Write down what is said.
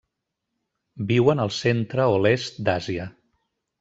Viuen al centre o l'est d'Àsia.